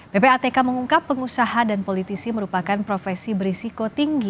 ppatk mengungkap pengusaha dan politisi merupakan profesi berisiko tinggi